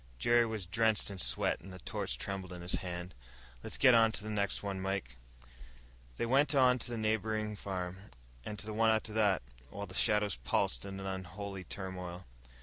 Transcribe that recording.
Jerry was drenched in sweat and the torch trembled in his hand. "Let's get on to the next one, Mike." They went on to the neighboring farm, and to the one after that, while the shadows pulsed in an unholy turmoil.